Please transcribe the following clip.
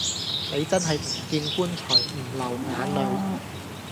你真係唔見棺材唔流眼淚